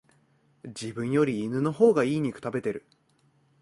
自分より犬の方が良い肉食べてる